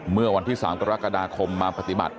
เมื่อวันที่๓กรกฎาคมมาปฏิบัติ